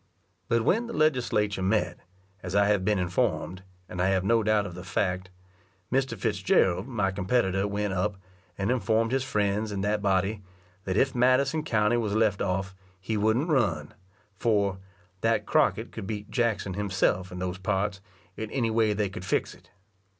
But when the Legislature met, as I have been informed, and I have no doubt of the fact, Mr. Fitzgerald, my competitor, went up, and informed his friends in that body, that if Madison county was left off, he wouldn't run; for "that Crockett could beat Jackson himself in those parts, in any way they could fix it."